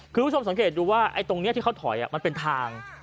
คุณผู้ชมสังเกตดูว่าไอ้ตรงนี้ที่เขาถอยมันเป็นทาง